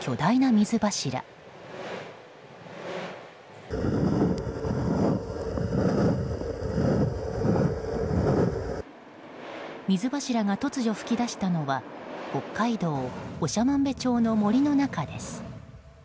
水柱が突如噴き出したのは北海道長万部町の森の中です。